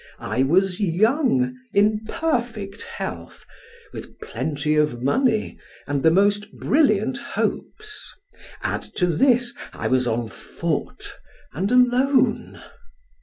I was young, in perfect health, with plenty of money, and the most brilliant hopes, add to this, I was on foot, and alone.